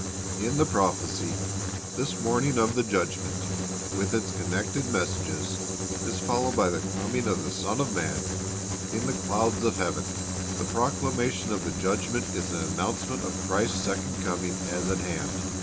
"^ In the prophecy this warning of the Judgment, with its connected messages, is followed by the coming of the Son of man in the clouds of heaven. The proclamation of the Judgment is an announce ment of Christ's second coming as at hand.